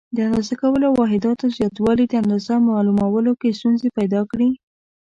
د اندازه کولو واحداتو زیاتوالي د اندازې معلومولو کې ستونزې پیدا کړې.